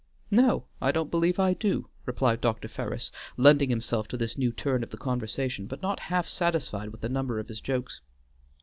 "No, I don't believe I do," replied Dr. Ferris, lending himself to this new turn of the conversation, but not half satisfied with the number of his jokes.